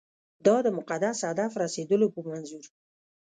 دا د مقدس هدف رسېدلو په منظور.